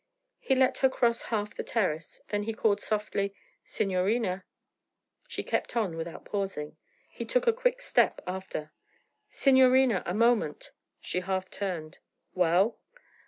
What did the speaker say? He let her cross half the terrace, then he called softly 'Signorina!' She kept on without pausing. He took a quick step after. 'Signorina, a moment!' She half turned. 'Well?'